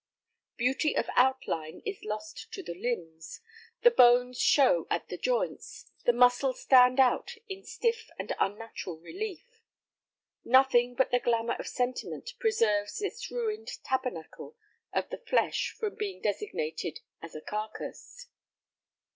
Beauty of outline is lost to the limbs, the bones show at the joints, the muscles stand out in stiff and unnatural relief. Nothing but the glamour of sentiment preserves this ruined tabernacle of the flesh from being designated as a "carcass."